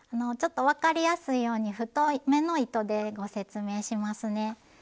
ちょっと分かりやすいように太めの糸でご説明しますね。